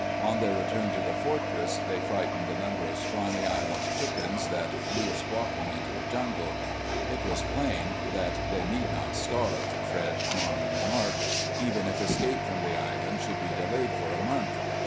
On their return to the Fortress, they frightened a number of scrawny island chickens that flew squawking into the jungle. It was plain that they need not starve, Fred Marmon remarked, even if escape from the island should be delayed for a month.